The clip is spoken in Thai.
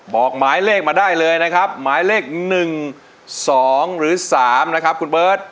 บอกหมายเลขมาได้เลยนะครับหมายเลข๑๒หรือ๓นะครับคุณเบิร์ต